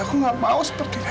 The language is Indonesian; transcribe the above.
aku nggak mau seperti itu